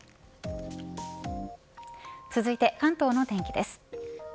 続いて関東の天気です。